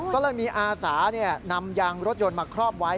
ก็เลยมีอาสานำยางรถยนต์มาครอบไว้